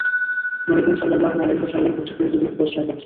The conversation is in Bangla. নবী করীম সাল্লাল্লাহু আলাইহি ওয়াসাল্লাম কর্তৃক প্রেরিত দূত বসরায় যাচ্ছেন।